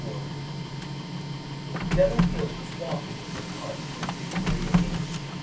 XVI Delafield was walking through the Park towards Victoria Gate.